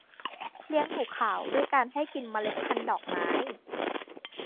เลี้ยงหนูขาวด้วยการให้กินเมล็ดพันธ์ดอกไม้